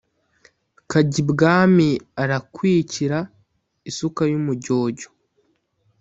Kajyibwami arakwikira isuka y’umujyojyo